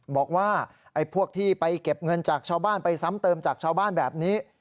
บอกว่าไอ้พวกที่ไปเก็บเงินจากชาวบ้านไปซ้ำเติมจากชาวบ้านแบบนี้